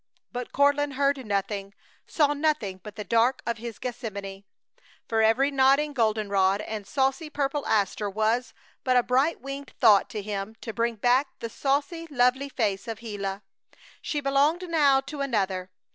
But Courtland heard nothing, saw nothing but the dark of his Gethsemane. For every nodding goldenrod and saucy purple aster was but a bright winged thought to him to bring back the saucy, lovely face of Gila. She belonged now to another.